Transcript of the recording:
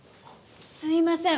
すいません。